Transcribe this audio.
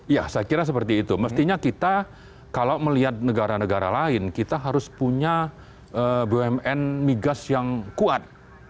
ya saya kira seperti itu mestinya kita kalau melihat negara negara lain kita harus punya bumn migas yang kuat